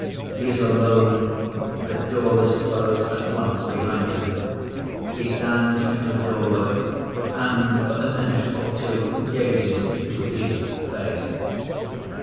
He is alone; the door is closed at once behind him. He stands in the doorway and for a minute or two gazes into His face.